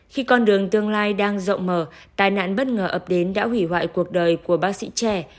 khi con đường tương lai đang rộng mở tài nạn bất ngờ ập đến đã hủy hoại cuộc đời của bác sĩ trẻ